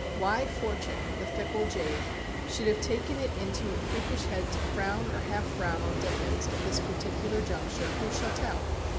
Why Fortune, the fickle jade, should have taken it into her freakish head to frown, or half frown, on Dickens at this particular juncture, who shall tell?